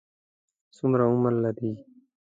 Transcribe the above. څومره عمر لري؟